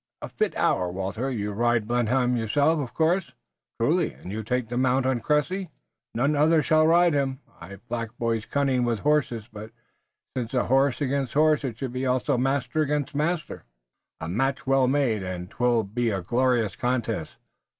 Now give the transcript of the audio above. "A fit hour, Walter. You ride Blenheim yourself, of course?" "Truly, and you take the mount on Cressy?" "None other shall ride him. I've black boys cunning with horses, but since it's horse against horse it should also be master against master." "A match well made, and 'twill be a glorious contest.